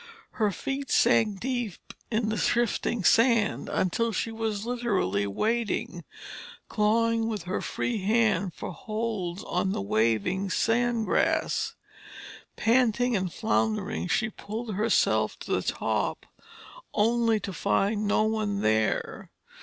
Her feet sank deep in the shifting sand until she was literally wading, clawing with her free hand for holds on the waving sandgrass. Panting and floundering, she pulled herself to the top, only to find no one there.